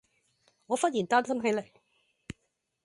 我突然擔心起來